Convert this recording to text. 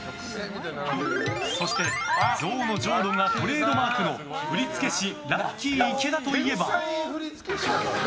そして、ゾウのジョウロがトレードマークの振付師ラッキィ池田といえば。